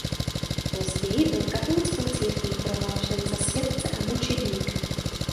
Později byl katolickou církví prohlášen za světce a mučedníka.